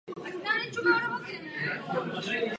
Nemá s tím snad Kuba už roky zkušenost?